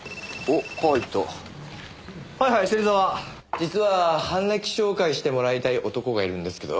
実は犯歴照会してもらいたい男がいるんですけど。